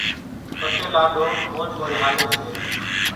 پسي لاڏو مورِ مورِ ھالي سي۔